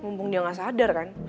mumpung dia nggak sadar kan